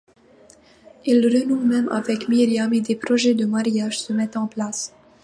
Il renoue même avec Miriam et des projets de mariage se mettent en place.